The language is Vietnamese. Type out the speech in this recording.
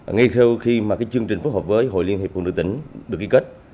ngay sau khi mà cái chương trình phối hợp với hội liên hiệp phụ nữ tỉnh được ký kết